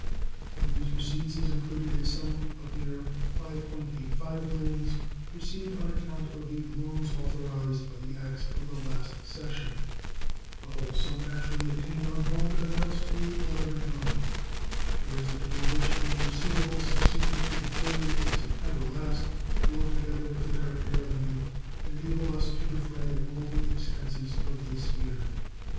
In these receipts is included a sum of near $5.85 millions, received on account of the loans authorized by the acts of the last session; the whole sum actually obtained on loan amounts to $11 millions, the residue of which, being receivable subsequent to the 30th of September last, will, together with the current revenue, enable us to defray all the expenses of this year.